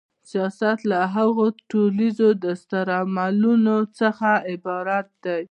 سیاست له هغو ټولیزو دستورالعملونو څخه عبارت دی.